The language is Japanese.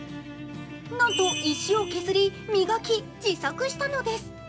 なんと石を削り、磨き、自作したのです。